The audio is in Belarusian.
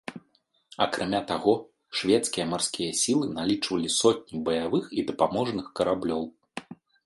Акрамя таго, шведскія марскія сілы налічвалі сотні баявых і дапаможных караблёў.